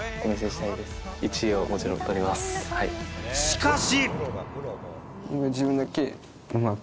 しかし。